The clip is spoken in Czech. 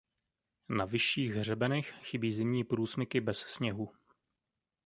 Na vyšších hřebenech chybí zimní průsmyky bez sněhu.